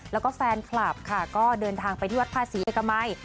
แล้วก็แฟนคลับค่ะก็เดินทางไปที่วัดภาษีเอกมัย